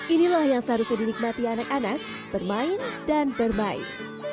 inilah yang seharusnya dinikmati anak anak bermain dan bermain